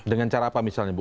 dengan cara apa misalnya bu